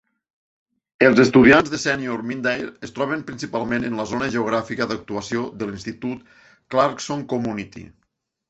Els estudiats de Senior Mindarie es troben principalment en la zona geogràfica d'actuació de l'institut Clarkson Community.